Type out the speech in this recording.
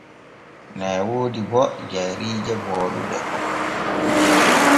Nee woodi bo jayriije booɗuɗe.